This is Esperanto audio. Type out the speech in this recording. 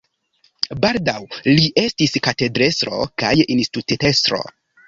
Baldaŭ li estis katedrestro kaj institutestro.